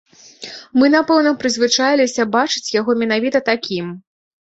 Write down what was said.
Мы, напэўна, прызвычаіліся бачыць яго менавіта такім.